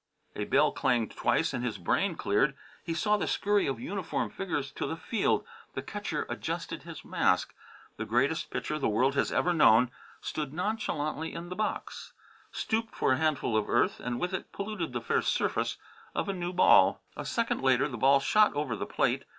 A bell clanged twice and his brain cleared. He saw the scurry of uniformed figures to the field, the catcher adjusted his mask. The Greatest Pitcher the World Has Ever Known stood nonchalantly in the box, stooped for a handful of earth and with it polluted the fair surface of a new ball. A second later the ball shot over the plate.